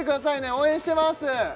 応援してます